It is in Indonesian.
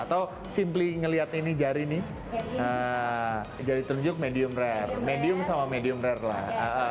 atau simply ngelihat ini jari nih jari terjun medium rare medium sama medium rare lah